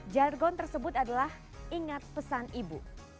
jargon tersebut adalah ingat pesan ibu